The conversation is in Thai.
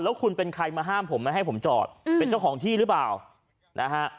แล้วคุณเป็นใครมาห้ามผมไม่ให้ผมจอดเป็นเจ้าของที่หรือเปล่านะฮะ